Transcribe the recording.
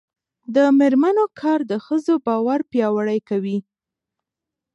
د میرمنو کار د ښځو باور پیاوړی کوي.